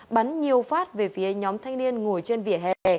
bắn nhiều phát về phía nhóm thanh niên ngồi trên vỉa hè